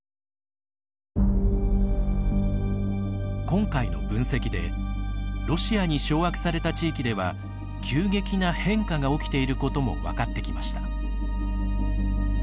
今回の分析でロシアに掌握された地域では急激な変化が起きていることも分かってきました。